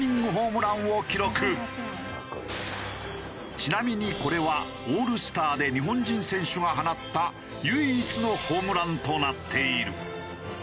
ちなみにこれはオールスターで日本人選手が放った唯一のホームランとなっている。